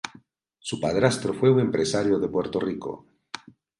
Su padrastro fue un empresario de Puerto Rico.